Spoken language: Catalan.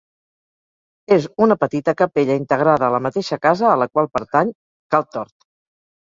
És una petita capella integrada a la mateixa casa a la qual pertany, Cal Tort.